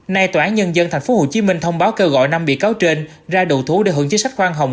nay tòa án nhân dân tp hcm thông báo kêu gọi năm bị cáo trên ra đồ thú để hưởng chức sách khoan hồng